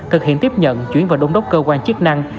thực hiện tiếp nhận chuyển vào đông đốc cơ quan chức năng